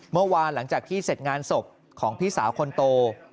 เมื่อวานหลังจากที่เสร็จงานศพของพี่สาวคนโต